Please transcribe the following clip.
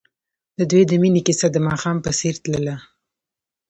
د دوی د مینې کیسه د ماښام په څېر تلله.